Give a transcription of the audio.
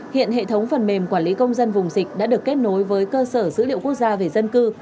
hiện hệ thống phần mềm quản lý công dân vùng dịch đã được kết nối với cơ sở dữ liệu quốc gia về dân cư